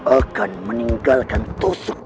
akan meninggalkan tusuk konde ini